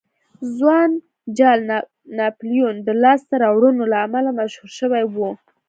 ځوان جال ناپلیون د لاسته راوړنو له امله مشهور شوی و.